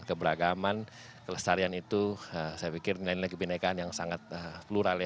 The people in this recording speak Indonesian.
keberagaman kelestarian itu saya pikir nilai nilai kebenekaan yang sangat plural ya